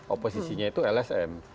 oposisinya itu lsm